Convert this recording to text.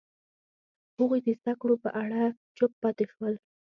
هغوی د زده کړو په اړه چوپ پاتې شول.